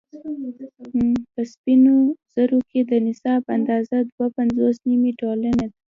په سپينو زرو کې د نصاب اندازه دوه پنځوس نيمې تولې ده